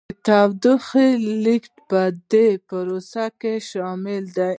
د تودوخې لیږد په دې پروسه کې شامل دی.